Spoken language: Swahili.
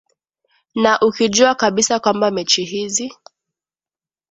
na ukijua kabisa kwamba mechi hizi